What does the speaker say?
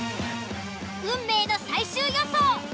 運命の最終予想。